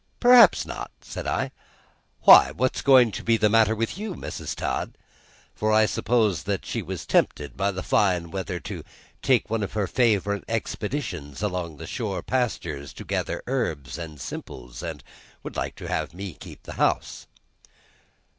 "Perhaps not," said I. "Why, what's going to be the matter with you, Mrs. Todd?" For I supposed that she was tempted by the fine weather to take one of her favorite expeditions along the shore pastures to gather herbs and simples, and would like to have me keep the house.